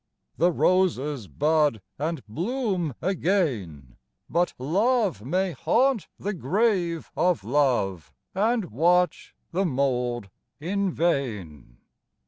The roses bud and bloom, again; But Love may haunt the grave of Love, And watch the mould in vain.